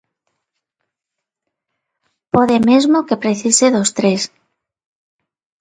Pode mesmo que precise dos tres.